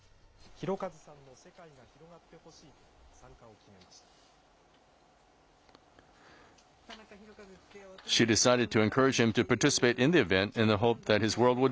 寛和さんの世界が広がってほしいと参加を決めました。